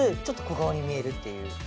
ちょっと小顔に見えるっていう。